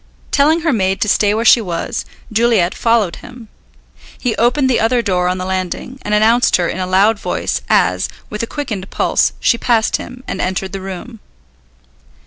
Telling her maid to stay where she was, Juliet followed him. He opened the other door on the landing, and announced her in a loud voice as, with a quickened pulse, she passed him, and entered the room.